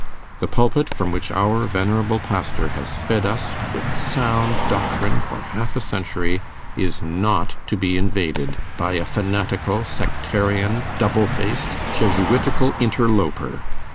The pulpit from which our venerable pastor has fed us with sound doctrine for half a century is not to be invaded by a fanatical, sectarian, double faced, Jesuitical interloper!